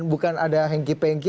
bukan ada hengki pengki